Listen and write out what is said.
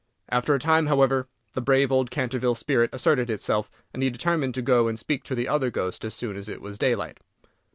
After a time, however, the brave old Canterville spirit asserted itself, and he determined to go and speak to the other ghost as soon as it was daylight.